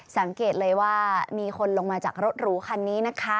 สังเกตเลยว่ามีคนลงมาจากรถหรูคันนี้นะคะ